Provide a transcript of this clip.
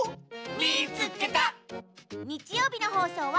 「みいつけた！」。